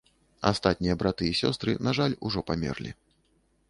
Астатнія браты і сёстры, на жаль, ужо памерлі.